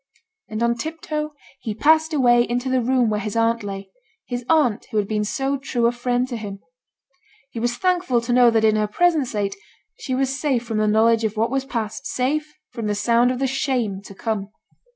And on tip toe he passed away into the room where his aunt lay; his aunt who had been so true a friend to him! He was thankful to know that in her present state she was safe from the knowledge of what was past, safe from the sound of the shame to come.